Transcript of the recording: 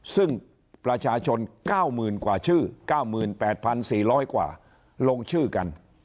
ซึ่งประชาชน๙๐๐กว่าชื่อ๙๘๔๐๐กว่าลงชื่อกัน